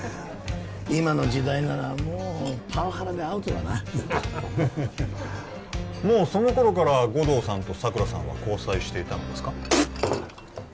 今の時代ならもうパワハラでアウトだなもうその頃から護道さんと佐久良さんは交際していたのですか？